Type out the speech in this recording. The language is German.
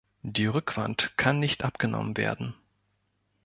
Die Rückwand kann nicht abgenommen werden.